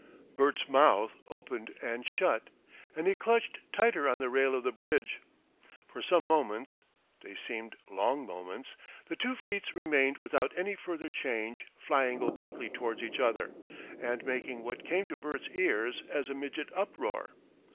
Bert's mouth opened and shut, and he clutched tighter on the rail of the bridge. For some moments they seemed long moments the two fleets remained without any further change flying obliquely towards each other, and making what came to Bert's ears as a midget uproar.